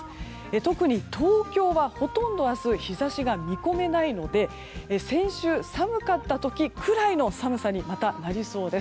特に東京は、ほとんど明日日差しが見込めないので先週寒かった時くらいの寒さにまた、なりそうです。